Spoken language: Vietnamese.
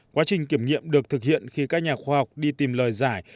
quá trình kiểm nghiệm được thực hiện khi các nhà khoa học đi tìm lời giải